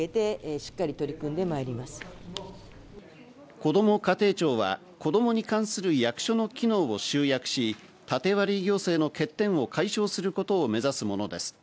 こども家庭庁は子供に関する役所の機能を集約し、縦割り行政の欠点を解消することを目指すものです。